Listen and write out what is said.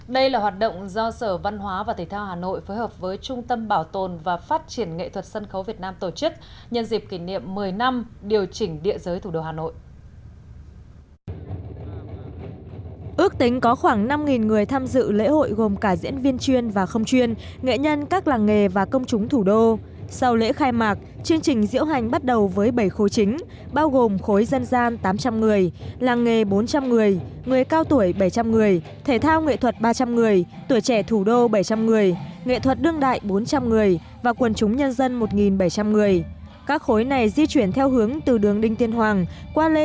đây là hoạt động do sở văn hóa và thể thao hà nội phối hợp với trung tâm bảo tồn và phát triển nghệ thuật sân khấu việt nam tổ chức nhân dịp kỷ niệm một mươi năm điều chỉnh địa giới thủ đô hà nội